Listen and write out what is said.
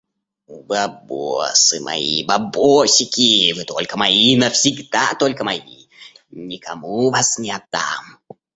Бабосы мои, бабосики. Вы только мои, навсегда только мои. Никому вас не отдам.